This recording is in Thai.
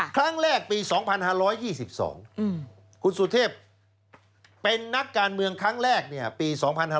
ครั้งแรกปี๒๕๒๒คุณสุเทพเป็นนักการเมืองครั้งแรกปี๒๕๕๙